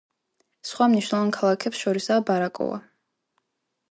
სხვა მნიშვნელოვან ქალაქებს შორისაა ბარაკოა.